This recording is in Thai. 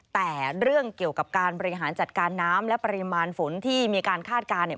แต่เรื่องเกี่ยวกับการบริหารจัดการน้ำและปริมาณฝนที่มีการคาดการณ์เนี่ย